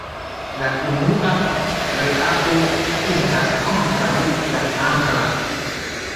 La unua reago estas kontraŭ la angla.